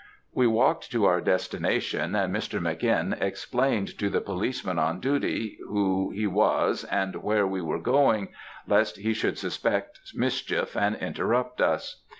We walked to our destination, and Mr. Mc. N. explained to the policeman on duty who he was and where we were going, lest he should suspect mischief, and interrupt us.